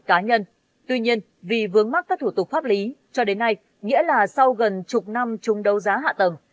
cá nhân tuy nhiên vì vướng mắc các thủ tục pháp lý cho đến nay nghĩa là sau gần chục năm chung đấu giá hạ tầng